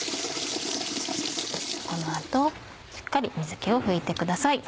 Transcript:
この後しっかり水気を拭いてください。